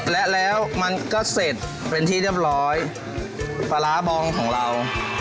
และแล้วมันก็เสร็จเป็นที่เรียบร้อยปลาร้าบองของเรา